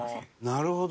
なるほど。